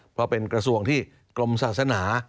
เพราะเป็นกระทรวงที่กรมศาสนา